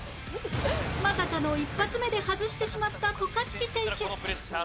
まさかの１発目で外してしまった渡嘉敷選手